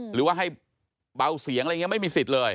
หรือว่าให้เบาเสียงอะไรอย่างนี้ไม่มีสิทธิ์เลย